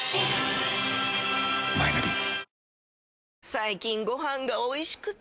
最近ご飯がおいしくて！